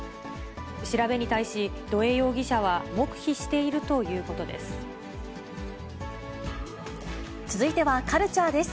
調べに対し、土江容疑者は黙秘しているということです。